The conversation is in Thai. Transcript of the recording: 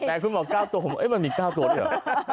คุณบอก๙ตัวผมมันมี๙ตัวด้วยเหรอ